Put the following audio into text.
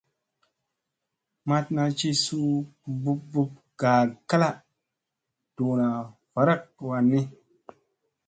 Matna ci suu bup bup gaa kala ,duuna varak wanni.